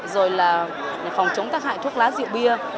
rồi là phòng chống tác hại thuốc lá rượu bia